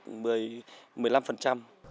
một mươi triệu đồng